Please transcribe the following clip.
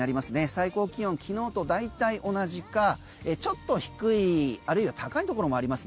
最高気温きのうと大体同じかちょっと低いあるいは高いところもあります